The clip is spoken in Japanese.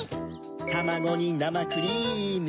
たまごになまクリーム。